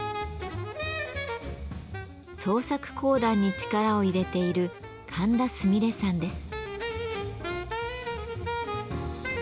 創作講談に力を入れている神田すみれさんです。